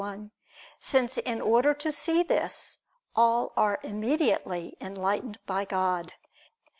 1): since in order to see this, all are immediately enlightened by God.